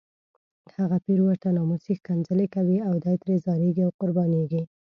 هغه پیر ورته ناموسي ښکنځلې کوي او دی ترې ځاریږي او قربانیږي.